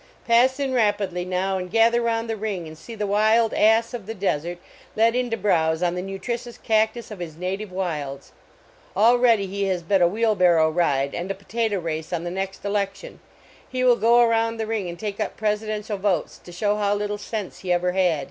Pass in rapidly now, and gather around the ring side and see the Wild Ass of the Desert led in to browse on the nutritious cactus of his native wilds ! Already he has bet a wheel barrow ride and a potato race on the next election ; he will go around the ring and take up presidential votes to show how little sense he ever had.